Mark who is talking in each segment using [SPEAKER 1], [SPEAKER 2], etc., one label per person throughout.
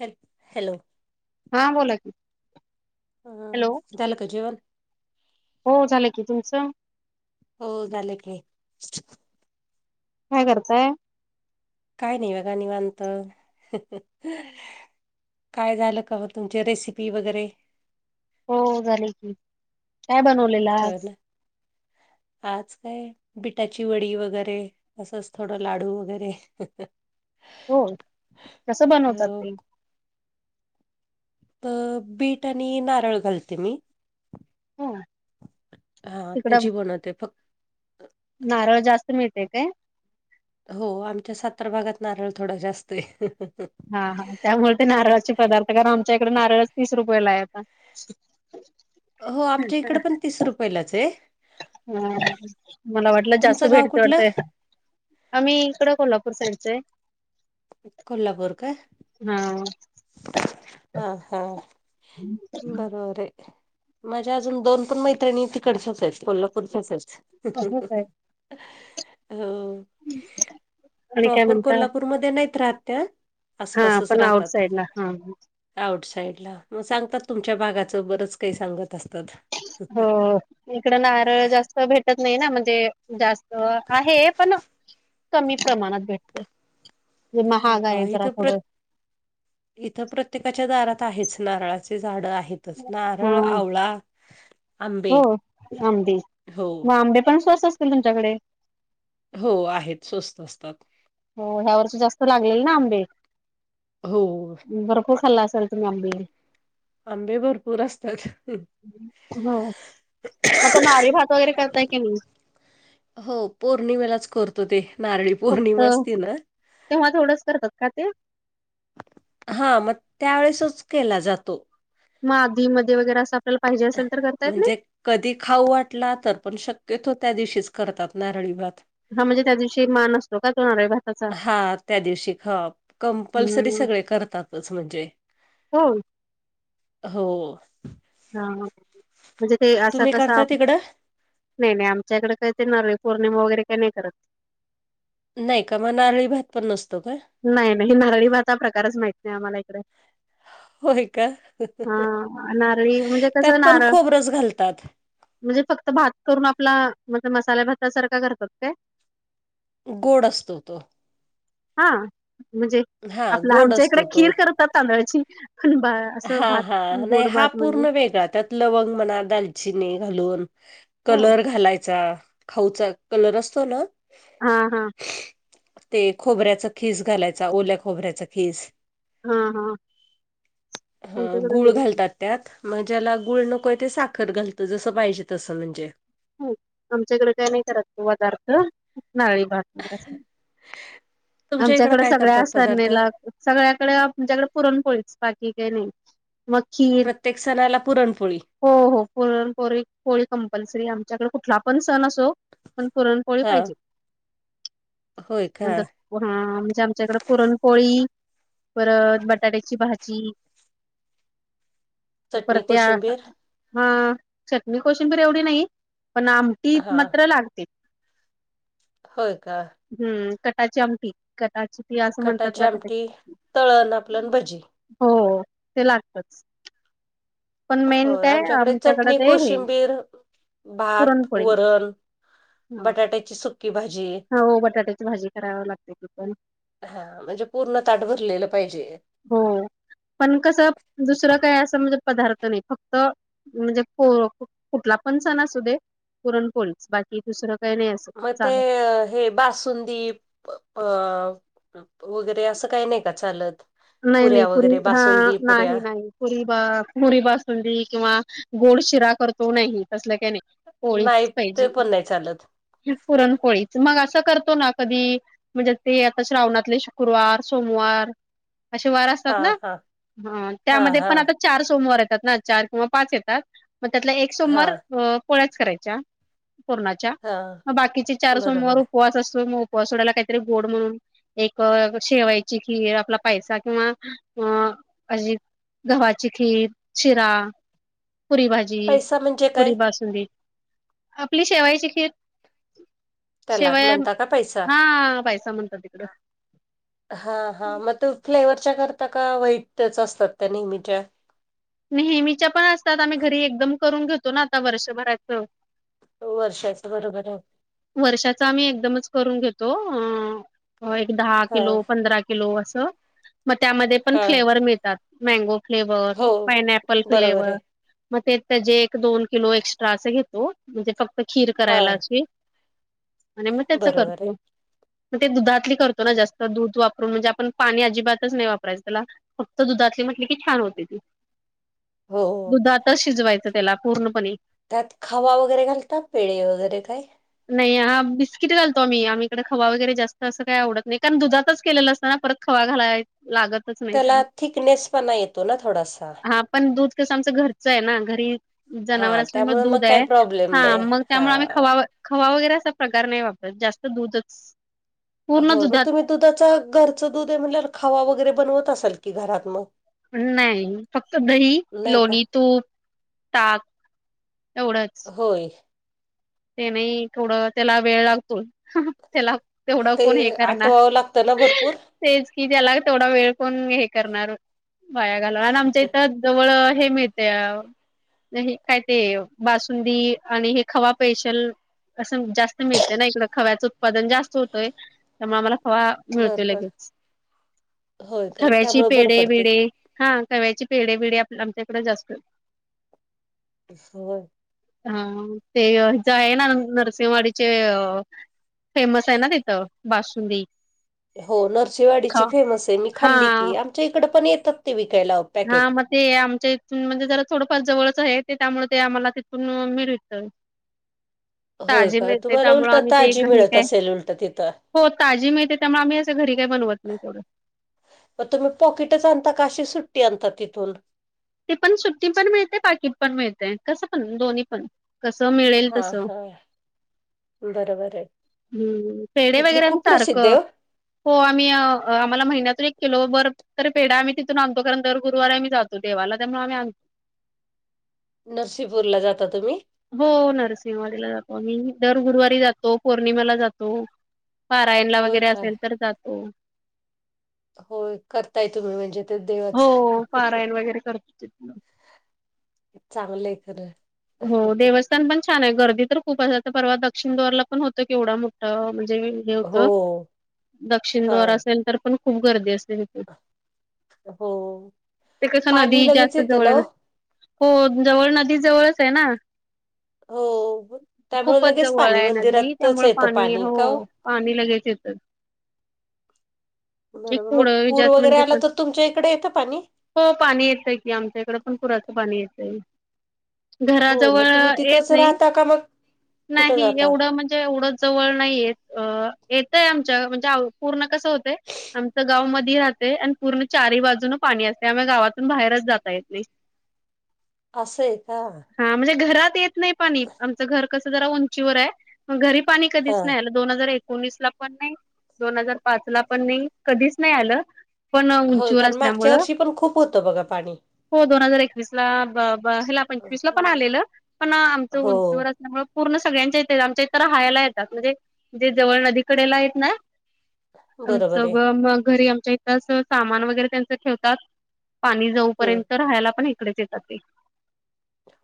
[SPEAKER 1] हॅ हॅलो.
[SPEAKER 2] हा बोला क
[SPEAKER 1] ह दल का जेवन.
[SPEAKER 2] हो झालं की तुमचं?
[SPEAKER 1] हो झाले का.
[SPEAKER 2] काय करताय?
[SPEAKER 1] काय नाही बघा नि मानत. काय झालं का तुमची रेसिपी वगैरे
[SPEAKER 2] हो झाले की काय बनवलेलं
[SPEAKER 1] हो
[SPEAKER 2] आज?
[SPEAKER 1] ना आज काय बिटाची वडी वगैरे असंच थोडं लाडू वगैरे
[SPEAKER 2] हो कस बनवतात
[SPEAKER 1] अ
[SPEAKER 2] ते?
[SPEAKER 1] अ बीट आणि नारळ घालते मी
[SPEAKER 2] हम्.
[SPEAKER 1] हा त्याची बनत आहे फक्त.
[SPEAKER 2] नारळ जास्त मिळते काय?
[SPEAKER 1] हो आमच्या सातरा भागात नारळ थोडा जास्त आहे.
[SPEAKER 2] हा हा. त्यामुळे ते नारळाचे पदार्थ कारण आमच्या इकडे नारळ तीस रुपयेला आहेता.
[SPEAKER 1] हो आमच्या इकडे पण तीस रुपयाेलाच आहे.
[SPEAKER 2] ह मला वाटलं जास्त
[SPEAKER 1] तुमचं गाव कुठलं
[SPEAKER 2] भेटतीवडते. आम्ही इकड कोल्हापूर साईडचं आहे
[SPEAKER 1] कोलपूर का?
[SPEAKER 2] हा.
[SPEAKER 1] हा हा बरोबर आहे. माझ्या अजून दोन पण मैत्रिणी तिकडच्याच आहेत कोल्हापूरच्याचच.
[SPEAKER 2] हो काय
[SPEAKER 1] अ
[SPEAKER 2] आणि काय
[SPEAKER 1] प्रॉपर
[SPEAKER 2] म्हणता
[SPEAKER 1] कोल्हापूरमध्येध्ये नाहीत राहत्या.
[SPEAKER 2] हा पण आउट साईड ला हा.
[SPEAKER 1] आउट साइड ला मग सांगतात तुमच्या भागाचं बरंच काही सांगत असतात.
[SPEAKER 2] हो. इकडं नार जास्त भेटत नाही ना म्हणजे जास्त आहे पण कमी प्रमाणात भेटते म्हे
[SPEAKER 1] हो
[SPEAKER 2] महाग
[SPEAKER 1] का
[SPEAKER 2] आहे जरा
[SPEAKER 1] इथं प्र
[SPEAKER 2] थोडं.
[SPEAKER 1] इथं प्रत्येकाच्या दारात आहेच नारळाचे झाड आहेत. तस
[SPEAKER 2] हा
[SPEAKER 1] नारळ आवळा.
[SPEAKER 2] हो
[SPEAKER 1] आंबे
[SPEAKER 2] आंब
[SPEAKER 1] हो
[SPEAKER 2] मग आंबे पण स्वस्त असतील तुमच्याकडे.
[SPEAKER 1] हो आहेत स्वस्त असतात.
[SPEAKER 2] हो ह्या वर्ष जास्त लागलेल ना आंबे
[SPEAKER 1] हो
[SPEAKER 2] भरपूर खाल्ला असेल. बीई.
[SPEAKER 1] आंबे भरपूर असतात.
[SPEAKER 2] हो मग तर नार भात वगैरे करताय की मी.
[SPEAKER 1] हो पौर्णिमेलाच करतो ते नारळी
[SPEAKER 2] फक्त
[SPEAKER 1] पौर्णिमा असते ना.
[SPEAKER 2] तेव्हा थोडंच करतात का ते.
[SPEAKER 1] हा मग त्यावेळेसच केला जातो.
[SPEAKER 2] मग आधी मध्ये वगैरे असं आपल्याला पाहिजे असेल तर करता येत नाही.
[SPEAKER 1] म्हणजे कधी खाऊ वाटला तर पण शक्यतो त्या दिवशीच करतात नारळी भात.
[SPEAKER 2] हा म्हणजे त्या दिवशी मान असतो का तोन्या भाताचा.
[SPEAKER 1] हा त्या दिवशी खाप. कंपल्सरी
[SPEAKER 2] हम्म
[SPEAKER 1] सगळे करतातच म्हणजे.
[SPEAKER 2] हो.
[SPEAKER 1] हो.
[SPEAKER 2] हा म्हणजे ते असा
[SPEAKER 1] तुम्ही
[SPEAKER 2] कसा.
[SPEAKER 1] करता तिकडं?
[SPEAKER 2] नाही नाही आमच्याकडे काहीतरी नवी पौर्णिमा वगैरे का नाही करत.
[SPEAKER 1] नाही का म नारळी भात पण नसतो का.
[SPEAKER 2] नाही नाही नारळी भाता प्रकारच माहत नाही आम्हाला इकडे.
[SPEAKER 1] होय का
[SPEAKER 2] हा नारळी म्हणजे
[SPEAKER 1] त्यात
[SPEAKER 2] कसं
[SPEAKER 1] पण
[SPEAKER 2] नारळ
[SPEAKER 1] खोबरच घालतात.
[SPEAKER 2] म्हणजे फक्त भात करून आपला म्हण मसाल्या भात सारखा करतकत.
[SPEAKER 1] गोड असतो तो.
[SPEAKER 2] हा म्हणजे
[SPEAKER 1] हां,
[SPEAKER 2] आपलं
[SPEAKER 1] गोड
[SPEAKER 2] आमच्या इकडे
[SPEAKER 1] असतो
[SPEAKER 2] खीर करतात तांदळाची पण बा. असं
[SPEAKER 1] हा
[SPEAKER 2] भात
[SPEAKER 1] हा नाही
[SPEAKER 2] गोड
[SPEAKER 1] हा
[SPEAKER 2] भात म्हणजे
[SPEAKER 1] पूर्ण वेगळा त्यात. लवंग म्हणा दालचिनी घालून
[SPEAKER 2] हो
[SPEAKER 1] कलर घालायचा. खाऊचा कलर असतो ना.
[SPEAKER 2] हा हा.
[SPEAKER 1] ते खोबऱ्याचा खीस घालायचा ओल्या खोबऱ्याच खीस.
[SPEAKER 2] हा हा.
[SPEAKER 1] ह
[SPEAKER 2] आमच्याकडे
[SPEAKER 1] गुळ
[SPEAKER 2] नाही
[SPEAKER 1] घालतात. त्यात मग ज्याला गुळ नको आहे ते साखर घालत जसं पाहिजे तसं म्हणजे.
[SPEAKER 2] आमच्याकडे काही नाही कत तो पदार्थ नाळी भात
[SPEAKER 1] तुमच्या इकडं
[SPEAKER 2] आमच्याकडे
[SPEAKER 1] काय
[SPEAKER 2] सगळ्या
[SPEAKER 1] करतात
[SPEAKER 2] असर
[SPEAKER 1] पदार्थ
[SPEAKER 2] नेल सगळ्याकडे म्ह्याकडे पुरण पोळीच बाकी काही नाही मग खीर
[SPEAKER 1] प्रत्येक सणाला पुरणपोळी
[SPEAKER 2] हो होरण पोळी पोळी कंपल्सरी आम त्याच्याकडे कुठला पण सण असो पण पुरणपोळी
[SPEAKER 1] हा
[SPEAKER 2] पाहिजे
[SPEAKER 1] होय का
[SPEAKER 2] नंतर हा म्हणजे आमच्याकड पुरणपोळी परत बटाट्याची भाजी पर
[SPEAKER 1] चटणी
[SPEAKER 2] त्या
[SPEAKER 1] कोशिंबीर
[SPEAKER 2] हा चटणी कोशंबर एवढी नाही पण आमटी
[SPEAKER 1] हा
[SPEAKER 2] मात्र लागते
[SPEAKER 1] होय का
[SPEAKER 2] हम्म कटाची आमटी कट
[SPEAKER 1] कटाची आमटी तळण आपलंन भजी
[SPEAKER 2] हो ते लागतच पण मेन
[SPEAKER 1] होय
[SPEAKER 2] काय आमच्याकडे
[SPEAKER 1] चटणी
[SPEAKER 2] ते हे
[SPEAKER 1] कोशिंबीर भात
[SPEAKER 2] पुरणपोळी
[SPEAKER 1] वरण बटाट्याची सुकी भाजी
[SPEAKER 2] हो बटाट्याची भाजी कराव लागते ती पण
[SPEAKER 1] हा म्हणजे पूर्ण ताट भरलेलं पाहिजे
[SPEAKER 2] हो पण कसं दुसरं काय असं म्हणजे पदार्थ नाही फक्त म्हणजे कुठला पण सणा अस दे पुरण पोळीच बाकी दुसरं काही नाही असं
[SPEAKER 1] मग ते
[SPEAKER 2] चालत
[SPEAKER 1] हे बासुंदी अ वगैरे असं काही नाही का चालत
[SPEAKER 2] नाही नाही
[SPEAKER 1] पुऱ्या
[SPEAKER 2] पुरी
[SPEAKER 1] वगैरे
[SPEAKER 2] हा
[SPEAKER 1] बासुंदी पुऱ्या
[SPEAKER 2] नाही नाही पुरी बा पुरी बासुंदी किंवा गोड शिरा करतो नाही तसलं काही नाही
[SPEAKER 1] नाही
[SPEAKER 2] कोळीच
[SPEAKER 1] ते पण नाही चालत
[SPEAKER 2] पाहिजे पुरणपोळीच मग असं करतो ना कधी म्हणजे ते आता श्रावणातले शुक्रवार सोमवार असे वार
[SPEAKER 1] हा
[SPEAKER 2] असतात ना
[SPEAKER 1] हा हा
[SPEAKER 2] त्यामध्ये
[SPEAKER 1] हा
[SPEAKER 2] पण आता चार सोमवार येतात ना चार किंवा पाच येतात मग त्यातला एक
[SPEAKER 1] हा
[SPEAKER 2] सोमवार अ पोळ्याच करायच्या पूर्णाच्या
[SPEAKER 1] हा
[SPEAKER 2] मग बाकीच्या चार
[SPEAKER 1] बरोबर
[SPEAKER 2] सोमवार
[SPEAKER 1] आहे
[SPEAKER 2] उपवास असतो मग कोसोडायला काहीतरी गोड म्हणून एक शेवायची की आपला पैसा किंवा अ अज गव्हाची खीर शिरा पुरी भाजी
[SPEAKER 1] पैसा म्हणजे काय
[SPEAKER 2] पुरी बासुंद आपली शेवायची खीर
[SPEAKER 1] त्याला
[SPEAKER 2] शिवाय
[SPEAKER 1] म्हणता का पैसा
[SPEAKER 2] हा पैसा म्हणतात तिकड
[SPEAKER 1] हा हा मग तू फ्लेवरच्या करता का व्हाईटच असतात त्या नेहमीच्या
[SPEAKER 2] नेहमीच्या पण असतात आम्ही घरी एकदम करून घेतो ना आता वर्षभराचं
[SPEAKER 1] वर्षाचं बरोबर आहे
[SPEAKER 2] वर्षाचा आम्ही एकदमच करून घेतो एक दहा
[SPEAKER 1] हा
[SPEAKER 2] किलो पंधरा किलो अस मग त्यामध्ये पण
[SPEAKER 1] हा
[SPEAKER 2] फ्लेवर मिळतात मँगो फ्लेवर
[SPEAKER 1] हो
[SPEAKER 2] पाइनॅपल
[SPEAKER 1] बरोबर आहे
[SPEAKER 2] फ्लेवर मग ते त्याचे एक दोन किलो एक्स्ट्रा अस घेतो म्हणजे फक्त खीर
[SPEAKER 1] हा
[SPEAKER 2] करायला आणि मग त्याच
[SPEAKER 1] बरोबर आहे
[SPEAKER 2] करतो मग ते दुधातली करतो ना जास्त दूध वापरून म्हणजे आपण पाणी अजिबातच नाही वापरायचं त्याला फक्त दुधातले म्हटले की छान होते ती
[SPEAKER 1] हो
[SPEAKER 2] दुधातच शिजवायचं त्याला पूर्णपणे
[SPEAKER 1] त्यात खावा वगैरे घालता पेळे वगैरे काय
[SPEAKER 2] नाही हा बिस्किट घातो आम्ही आम्हीकडे खवा वगैरे जास्त असं काही आवडत नाही कारण दुधातच केलेलं असत ना परत खवा घालाय लागतच
[SPEAKER 1] त्याला थिकनेस पण येतो ना थोडासा
[SPEAKER 2] हा पण दूध कसं आमचं घरचं आहे ना घरी जनावर
[SPEAKER 1] हा
[SPEAKER 2] असल्यामुळे
[SPEAKER 1] त्यामुळे
[SPEAKER 2] दूध
[SPEAKER 1] मग काही
[SPEAKER 2] आहे
[SPEAKER 1] प्रॉब्लेम
[SPEAKER 2] हा
[SPEAKER 1] नाही
[SPEAKER 2] मग
[SPEAKER 1] हा
[SPEAKER 2] त्यामुळे आम्ही खवा खवा वगैरे असा प्रकार नाही वापरत जास्त दूधच पूर्ण
[SPEAKER 1] हो मग
[SPEAKER 2] दुधात
[SPEAKER 1] तुम्ही दुधाचा घरचं दुध आहे म्हण खावा वगैरे बनवत असाल की घरात मग
[SPEAKER 2] नाही फक्त दही
[SPEAKER 1] नाही का
[SPEAKER 2] लोणी तूप ताक एवढंच
[SPEAKER 1] होय
[SPEAKER 2] ते नाही तेवडं त्याला वेळ लागतो त्याला तेवढं
[SPEAKER 1] ते
[SPEAKER 2] कोण हे करणार
[SPEAKER 1] आठवावं लागतं ना भरपूर
[SPEAKER 2] तेच की त्याला तेथोडा वेळ कोण हे करणार वाया घालवणार आणि आमच्या इथं जवळ हे मिळते ते काय ते बासुंदी आणि हे खवा स्पेशल असं जास्त मिळते ना इकडं खव्याचं उत्पादन जास्त होतंय त्यामुळे आम्हाला खवा
[SPEAKER 1] बर
[SPEAKER 2] मिळतोय
[SPEAKER 1] बर
[SPEAKER 2] लगेच
[SPEAKER 1] होय का
[SPEAKER 2] खव्याची
[SPEAKER 1] त्यामुळे बरं
[SPEAKER 2] पेढ
[SPEAKER 1] पडते
[SPEAKER 2] बिडे हा खव्याचे पेढ बिढे आपल आमच्याकडे जास्त
[SPEAKER 1] सय
[SPEAKER 2] हा ते ज आहे ना नरसिंहवाडीचे फेमस आहे ना तिथं बासुंदी
[SPEAKER 1] हो
[SPEAKER 2] खा
[SPEAKER 1] नरसीवाडीची फेमस आहे मी
[SPEAKER 2] हा
[SPEAKER 1] खाल्ली की आमच्या इकडे पण येतात ते विकायला आप
[SPEAKER 2] हा म ते आमच्या इथून म्हणजे जरा थोडंफार जवळच आहे ते त्यामुळे ते आम्हाला तिथून मिळूंत
[SPEAKER 1] होय का तुम्हाला
[SPEAKER 2] त्यामुळे
[SPEAKER 1] उलट
[SPEAKER 2] आम्ही ते
[SPEAKER 1] ताजी
[SPEAKER 2] घरी
[SPEAKER 1] मिळत
[SPEAKER 2] काय
[SPEAKER 1] असेल उल
[SPEAKER 2] हो माहतीते त्यामुळे आम्ही असं घरी काही बनवत नाही तेथोडं
[SPEAKER 1] मग तुम्ही पॉकेटच आणता काशी सुट्टी आणता तिथून
[SPEAKER 2] ते पण सुट्टी पण मिळते बाकीत पण मिळते कसं पण दोन्ही पण कसं मिळेल
[SPEAKER 1] हा
[SPEAKER 2] तसं
[SPEAKER 1] हा बरोबर आहे.
[SPEAKER 2] हम्म पेडे
[SPEAKER 1] तिथली
[SPEAKER 2] वगैरे
[SPEAKER 1] खूप प्रसिद्ध
[SPEAKER 2] सारखं
[SPEAKER 1] आहे ओ
[SPEAKER 2] हो आम्ही आम्हाला महिनतून एक किलो हो आम्हीमहिन्याला आम्ही एककिलो बर तरी पेढा आम्ही तिथून आणतो कारण दर गुरुवारी आम्ही जातो देवाला त्यामुळे आम्ही
[SPEAKER 1] नरसीपूरला जाता तुम्ही
[SPEAKER 2] हो नरसिंहवाडीला जातो आम्ही दर गुरुवारी जातो पौर्णिमाला जातो पारायणला
[SPEAKER 1] होय
[SPEAKER 2] वगैरे
[SPEAKER 1] का?
[SPEAKER 2] असेल तर जातो
[SPEAKER 1] हो करताय तुम्ही म्हणजे ते
[SPEAKER 2] हो
[SPEAKER 1] देवाचं
[SPEAKER 2] पारायण वगैरे करत ते
[SPEAKER 1] चांगलं आहे खरं
[SPEAKER 2] हो देवस् पण छान आहे गर्दी तर खूप असाच परवा दक्षिण दवारला पण होतं केवं मोठं म्हणजे हे होत
[SPEAKER 1] हो.
[SPEAKER 2] दक्षिण
[SPEAKER 1] हा.
[SPEAKER 2] दवार असेल तर पण खूप गर्दी असे होेत
[SPEAKER 1] हो.
[SPEAKER 2] ते कसं
[SPEAKER 1] पाणी
[SPEAKER 2] नदी
[SPEAKER 1] लगेच
[SPEAKER 2] जास्त
[SPEAKER 1] येतं ना
[SPEAKER 2] जवळला
[SPEAKER 1] ओ?
[SPEAKER 2] हो जवळ नदी जवळच आहे ना
[SPEAKER 1] हो त्यामुळे
[SPEAKER 2] खूपच
[SPEAKER 1] लगेच
[SPEAKER 2] जवळ
[SPEAKER 1] पाणी
[SPEAKER 2] आहे नदी
[SPEAKER 1] मंदिरातच
[SPEAKER 2] त्यामुळे
[SPEAKER 1] येतं पाणी
[SPEAKER 2] हो
[SPEAKER 1] का
[SPEAKER 2] पाणी लगेच येतं एक
[SPEAKER 1] बरोबर मग
[SPEAKER 2] पुढं
[SPEAKER 1] पूर
[SPEAKER 2] जात
[SPEAKER 1] वगैरे
[SPEAKER 2] म्हणजे
[SPEAKER 1] आला
[SPEAKER 2] पण
[SPEAKER 1] तर तुमच्या इकडे येतं पाणी
[SPEAKER 2] हो पाणी येत आहे की आमच्या इकडं पण पुराचं पाणी येतंय
[SPEAKER 1] होय
[SPEAKER 2] घराजवळ
[SPEAKER 1] मग तुम्ही
[SPEAKER 2] येत
[SPEAKER 1] तिथंच
[SPEAKER 2] नाही
[SPEAKER 1] राहता का मग कुठं
[SPEAKER 2] नाही
[SPEAKER 1] जाता?
[SPEAKER 2] एवढं म्हणजे एवढं जवळ नाहीयेत येतय आमच्या म्हणजे पूर्ण कसं होतय आमचं गाव मधी राहते आणि पूर्ण चारही बाजून पाणी असते आमही गावातून बाहेरच जाता येत नाही
[SPEAKER 1] अस आहे का
[SPEAKER 2] हा म्हणजे घरात येत नाही पाणी आमचं घर कसं जरा उंचीवर आहे मग घरी पाणी कधीच
[SPEAKER 1] हा.
[SPEAKER 2] नाही आल दोन हजार एकोणीस ला पण नाही दोन हजार पाच ला पण नाही कधीच नाही आलं पण उंचवर
[SPEAKER 1] कारण
[SPEAKER 2] असल्यामुळ
[SPEAKER 1] मागच्या वर्षी पण खूप होतं हो पाणी
[SPEAKER 2] हो दोन हजार एकवीस ला ह पंचवीस ला पण
[SPEAKER 1] हो.
[SPEAKER 2] आलेलं पण आमच उंचीवर
[SPEAKER 1] हो
[SPEAKER 2] पूर्ण सगळ्यांच्या इथ आमच्या इतर हहायला येतात म्हणजे जे जवळ नदीकडेला येत ना आमच
[SPEAKER 1] बरोबर आहे.
[SPEAKER 2] म घरी आमच्या इथच सामान वगैरे त्यांच ठेवतात पाणी
[SPEAKER 1] हम्म
[SPEAKER 2] जाऊपर्यंत राहायला पण इकडेच येतात ते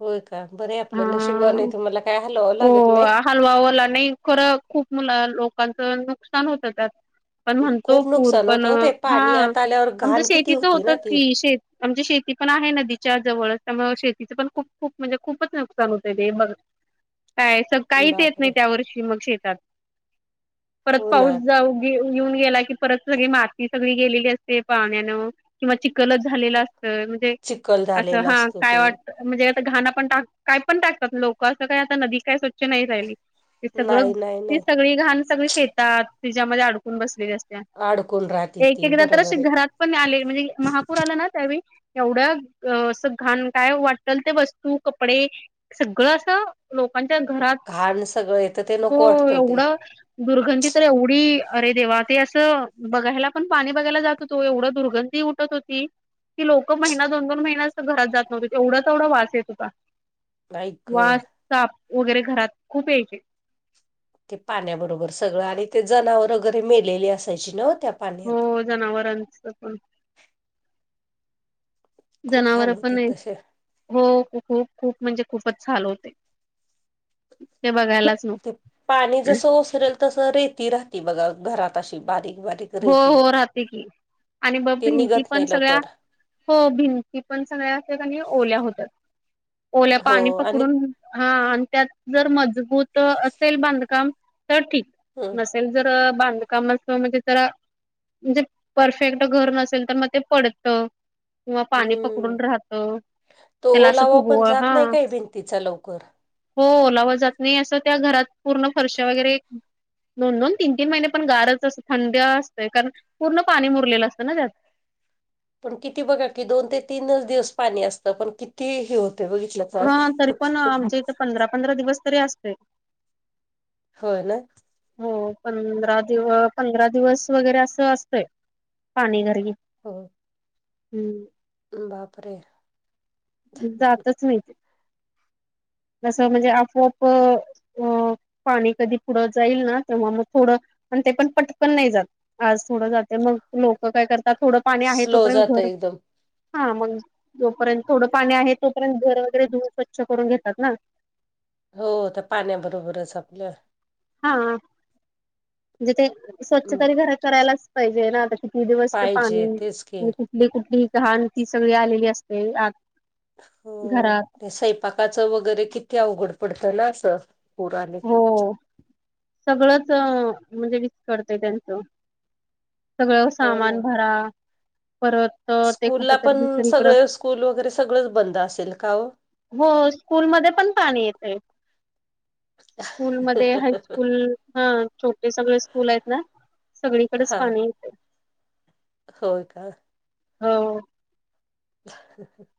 [SPEAKER 1] होय का बरे आपलं नशिबण आहे तुमला काय हलवं लागत नाही
[SPEAKER 2] हलवाव ला नाही खरं खूप मुला लोकांचं नुकसान होतं त्यात पण म्हणतो
[SPEAKER 1] खूप
[SPEAKER 2] पूर
[SPEAKER 1] नुकसान
[SPEAKER 2] पण
[SPEAKER 1] होतं हो ते
[SPEAKER 2] हा
[SPEAKER 1] पाणी आत आल्यावर
[SPEAKER 2] आमच्या
[SPEAKER 1] घाण किती
[SPEAKER 2] शेतीच
[SPEAKER 1] होती
[SPEAKER 2] होत
[SPEAKER 1] ना ती
[SPEAKER 2] की शे आमची शेती पण आहे नदीच्या जवळ त्यामुळे शेतीच पण खूप खूप म्हणजे खूपच नुकसान होत ते बघ काय सग काही येत नाही
[SPEAKER 1] बापरे.
[SPEAKER 2] त्या वर्षी मग शेतात परत
[SPEAKER 1] हो ना
[SPEAKER 2] पाऊस जाऊ येऊन गेला की परत सग माती सगळी गेलेली असते पाण्यान किंवा चल झा असत म्हणजे
[SPEAKER 1] चिखल
[SPEAKER 2] अस
[SPEAKER 1] झालेला
[SPEAKER 2] हा
[SPEAKER 1] असतो
[SPEAKER 2] काय
[SPEAKER 1] ते
[SPEAKER 2] वाट म्हणजे घाण पणा काय पण टाकतात लोक असं काही आता नदी काय स्वच्छ नाही राहिली ते सगळं
[SPEAKER 1] नाही नाही
[SPEAKER 2] ती
[SPEAKER 1] नाही.
[SPEAKER 2] सगळी घाण सगळी फेतात तिच्यामध्ये अडकून बसलेली असते
[SPEAKER 1] अडकून राहते
[SPEAKER 2] एक
[SPEAKER 1] ती
[SPEAKER 2] एकदा तर
[SPEAKER 1] बरोबर आहे.
[SPEAKER 2] घरात पण आ म्हणजे महापुरला ना त्या एवढं अस घाण काय वाट ते ब वस्तू कपडे सगळं अस लोकांच्या घरात
[SPEAKER 1] घाण सगळं येतं ते
[SPEAKER 2] हो
[SPEAKER 1] नको वाटतं ते
[SPEAKER 2] एवढं दुर्गंधी तर एवढी अरे देवा ते असं बघायला पण पाणी बघायला जात होतो एवढं दुर्गंधी हो की लोक महिना दोन दोन महिन्या घरात जात नव्हते तेवढा तेवढा वास य
[SPEAKER 1] आई ग.
[SPEAKER 2] वास साप वगैरे घरात खूप यायचे
[SPEAKER 1] ते पाण्याबरोबर सगळं आणि ते जनावर वगैरे मेलेली असायची न त्या
[SPEAKER 2] हो
[SPEAKER 1] पाण्यात
[SPEAKER 2] जनावरांच पण
[SPEAKER 1] खूप
[SPEAKER 2] जनावर
[SPEAKER 1] हाल
[SPEAKER 2] पण
[SPEAKER 1] होते
[SPEAKER 2] आहे
[SPEAKER 1] तसे
[SPEAKER 2] हो खूप खूप म्हणजे खूपच चाल होते ते बघायलाच नक्हते
[SPEAKER 1] ते पाणी जसं ओसरेल तसं रेती राहती बघा घरात अशी बारीक बारीक
[SPEAKER 2] हो
[SPEAKER 1] रेती.
[SPEAKER 2] हो राहते की आणि बघ
[SPEAKER 1] ते
[SPEAKER 2] भिंती
[SPEAKER 1] निघत
[SPEAKER 2] पण
[SPEAKER 1] नाही
[SPEAKER 2] सगळ्या
[SPEAKER 1] लवकर
[SPEAKER 2] हो भिंती पण सगळ्यातात आणि ओल्या होतात ओल्या
[SPEAKER 1] हो
[SPEAKER 2] पाणी
[SPEAKER 1] आणि
[SPEAKER 2] पकडून हा आणि त्यात जर मजबूत असेल बांधकाम तर ठीक
[SPEAKER 1] हम्म
[SPEAKER 2] नस जर बांधकाम म्हणजे जरा म्हणजे परफेक्ट घर नसेल तर मग ते पडत किंवा पाणी
[SPEAKER 1] हम्म.
[SPEAKER 2] पकडून राहतो
[SPEAKER 1] तो ओ लावा पण जात नाही काय भिंतीचा लवकर
[SPEAKER 2] हो ओलाव जात नाही असं त्या घरात पूर्ण फर्श वगैरे दोन दोन तीन तीन महिने पण गारच असत थंड असते कारण पूर्ण पाणी मुरलेलं असतं नात
[SPEAKER 1] पण किती बघा की दोन ते तीनच दिवस पाणी असतं पण किती हे होते बघित
[SPEAKER 2] हा तरी पण आमच्या इथं पंधरा पंधरा दिवस तरी असते
[SPEAKER 1] हो ना
[SPEAKER 2] हो पंधरा दिव पंधरा दिवस वगैरे असं असतंय पाणी घर
[SPEAKER 1] हो
[SPEAKER 2] हम्म
[SPEAKER 1] बापरे
[SPEAKER 2] जातच नाही ते जस म्हणजे आपोआप अ पाणी कधी पुढं जाईल ना तेव्हा मग थोडं आणि ते पण पटकन नाही जात आज थोडं जात मग लोक काय करतात थोडं पाणी आहे
[SPEAKER 1] स्लो
[SPEAKER 2] तोपर्यंत
[SPEAKER 1] जात
[SPEAKER 2] घर
[SPEAKER 1] एकदम.
[SPEAKER 2] हा मग जोपर्यंत थोडं पाणी आहे तोपर्यंत घर वगैरे धुऊन स्वच्छ करून घेतात ना
[SPEAKER 1] हो त्या पाण्याबरोबरच आपल्या
[SPEAKER 2] हा म्हणजे ते स्वच्छ तरी घरात करायलाच पाहिजे ना आता किती दिवस तर
[SPEAKER 1] पाहिजे
[SPEAKER 2] पाणी
[SPEAKER 1] तेच की
[SPEAKER 2] क कुठलीही कहण ती सगळी आलेली असते आज
[SPEAKER 1] हो ते स्वैपाकाच वगैरे किती अवघड पडतं ना असं पुराले
[SPEAKER 2] हो सगळंच म्हणजे विस्कळतंय त्यांचं सगळं
[SPEAKER 1] हो ना.
[SPEAKER 2] सामान भरा परत अ, ते कुठ
[SPEAKER 1] स्कूलला
[SPEAKER 2] तरी
[SPEAKER 1] पण
[SPEAKER 2] दुसरीकडं
[SPEAKER 1] सगळे स्कूल वगैरे सगळंच बंद असेल का हो
[SPEAKER 2] हो स्कूलमध्ये पण पाणी येतंय स्कूल मध्ये हायस्कूल हा छोटे सगळे स्कूल आहेत ना सगळीकडेच पाणी येतं
[SPEAKER 1] हो का
[SPEAKER 2] हो
[SPEAKER 1] [inaudible]